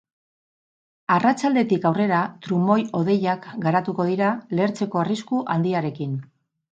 Arratsaldetik aurrera, trumoi-hodeiak garatuko dira, lehertzeko arrisku handiarekin.